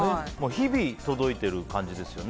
日々、届いている感じですよね。